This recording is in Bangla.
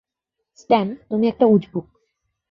স্ট্যান তুমি একটা উজবুক।